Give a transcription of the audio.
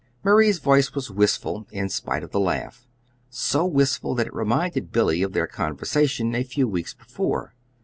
Marie's voice was wistful, in spite of the laugh so wistful that it reminded Billy of their conversation a few weeks before.